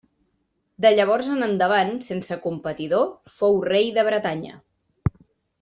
De llavors en endavant, sense competidor, fou rei de Bretanya.